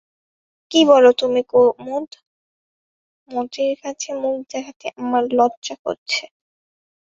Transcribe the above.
কী বলো তুমি কুমুদ, মতির কাছে মুখ দেখাতে আমার লজ্জা করছে!